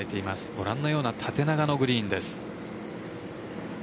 ご覧のような縦長のグリーンです。